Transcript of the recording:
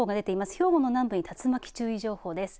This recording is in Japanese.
兵庫の南部に竜巻注意情報です。